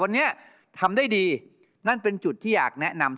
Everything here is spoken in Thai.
เยี่ยมเลยครับ